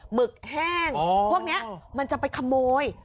หึกแห้งพวกนี้มันจะไปขโมย